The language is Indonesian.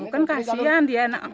kan kasihan dia ndak lihat